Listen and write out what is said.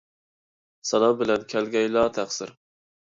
سالام بىلەن كەلگەيلا تەقسىر.